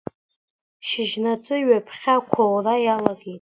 Шьыжьнаҵы ҩаԥхьа ақәоура иалагеит.